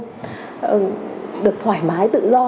được thoải mái tự do